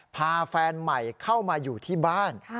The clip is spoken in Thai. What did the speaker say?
พาแฟนใหม่เข้ามาอยู่ที่บ้าน